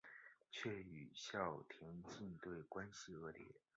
却与校田径队关系恶劣。